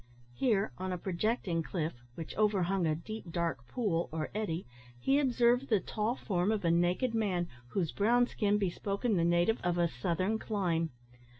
Here, on a projecting cliff; which overhung a deep, dark pool or eddy, he observed the tall form of a naked man, whose brown skin bespoke him the native of a southern clime.